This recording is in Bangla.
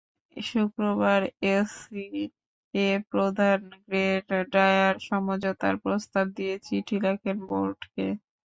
শুক্রবার এসিএ প্রধান গ্রেগ ডায়ার সমঝোতার প্রস্তাব দিয়ে চিঠি লেখেন বোর্ডকে।